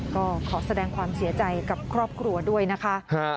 ก็ขอแสดงความเสียใจกับครอบครัวด้วยนะคะ